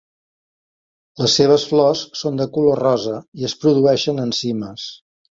Les seves flors són de color rosa i es produeixen en cimes.